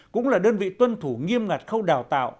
cũng là đơn vị tuân thủ nghiêm ngặt khâu đào tạo